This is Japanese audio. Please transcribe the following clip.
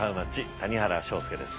谷原章介です。